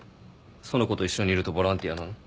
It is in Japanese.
その子と一緒にいるとボランティアなの？